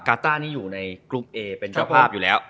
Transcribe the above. กาต้านี่อยู่ในกรุ๊ปเอกลันส์จะเป็นเจ้าภาพอยู่แล้ว